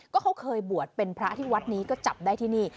ก็เขาเคยบวชเป็นพระที่วัดนี้ก็จับได้ที่นี่